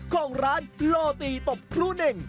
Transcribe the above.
ของร้านโลตีตบครูเน่ง